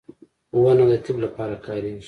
• ونه د طب لپاره کارېږي.